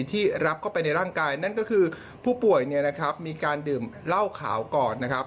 ที่รับเข้าไปในร่างกายนั่นก็คือผู้ป่วยเนี่ยนะครับมีการดื่มเหล้าขาวก่อนนะครับ